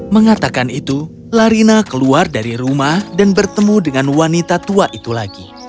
mengatakan itu larina keluar dari rumah dan bertemu dengan wanita tua itu lagi